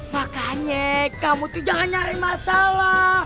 makanya kamu tuh jangan nyari masalah